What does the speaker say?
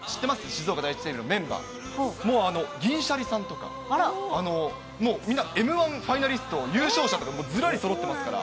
静岡第一テレビのメンバー、銀シャリさんとか、もうみんなＭー１ファイナリスト優勝者とか、ずらりそろってますから。